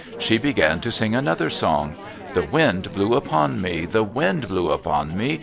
She began to sing another song. "The wind blew upon me! The wind blew upon me!